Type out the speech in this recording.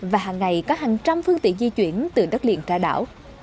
và hàng ngày có hàng trăm phương tiện di chuyển từ đất liền ra đảo